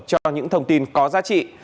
cho những thông tin có giá trị